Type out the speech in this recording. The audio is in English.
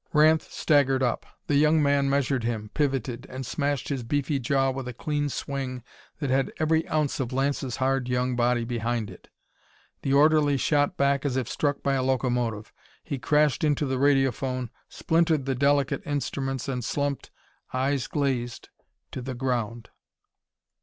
Ranth staggered up. The young man measured him, pivoted, and smashed his beefy jaw with a clean swing that had every ounce of Lance's hard young body behind it. The orderly shot back as if struck by a locomotive. He crashed into the radiophone, splintered the delicate instruments and slumped, eyes glazed, to the ground.